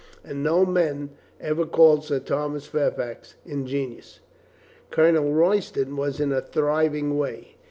And no men ever called Sir Thomas Fairfax ingenious. Colonel Royston was in a thriving way.